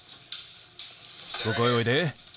ここへおいで。